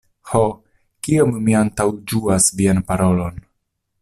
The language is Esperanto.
Ho, kiom mi antaŭĝuas vian parolon!